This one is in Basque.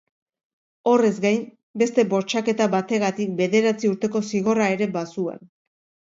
Horrez gain, beste bortxaketa bategatik bederatzi urteko zigorra ere bazuen.